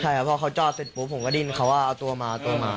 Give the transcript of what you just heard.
ใช่ครับพอเค้าจอดเสร็จปุ๊บผมก็ได้ยินเค้าว่าเอาตัวมาเอาตัวมา